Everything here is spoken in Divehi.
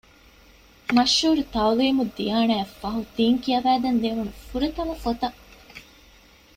މަޝްހޫރު ތަޢުލީމުއްދިޔާނާ އަށްފަހު ދީން ކިޔަވައިދޭން ލިޔެވުނު ފުރަތަމަ ފޮތަށް